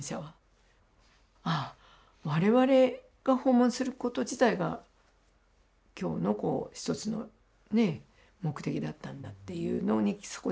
ああ我々が訪問すること自体が今日の一つのね目的だったんだっていうのにそこで気づくんですね。